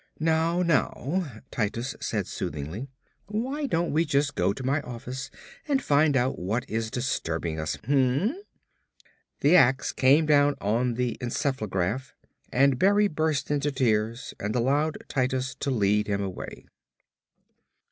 "Now, now," Titus said soothingly, "why don't we just go to my office and find out what is disturbing us? Hm m m?" The ax came down on the encephalograph and Berry burst into tears and allowed Titus to lead him away.